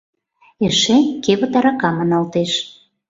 Эше кевыт арака маналтеш.